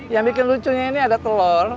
yang bikin lucunya ini ada telur